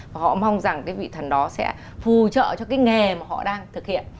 và họ mong rằng cái vị thần đó sẽ phù trợ cho cái nghề mà họ đang thực hiện